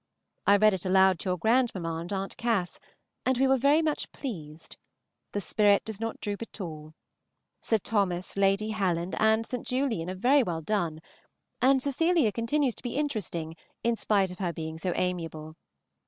I read it aloud to your grandmamma and Aunt Cass, and we were all very much pleased. The spirit does not droop at all. Sir Thos., Lady Helen, and St. Julian are very well done, and Cecilia continues to be interesting in spite of her being so amiable.